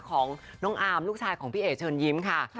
ของน้องอาร์มลูกชายของพี่เอ๋เชิญยิ้มค่ะ